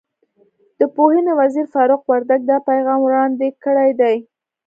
د پوهنې وزیر فاروق وردګ دا پیغام وړاندې کړی دی.